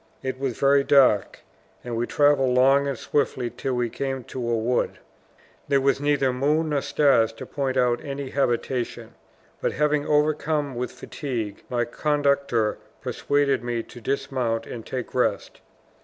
It was very dark; and we traveled long and swiftly till we came to a wood. There was neither moon nor stars to point out any habitation. But being overcome with fatigue, my conductor persuaded me to dismount and take rest.